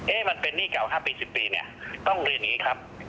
มันเป็นหนี้เก่า๕ปี๑๐ปีเนี่ยต้องเรียนอย่างนี้ครับ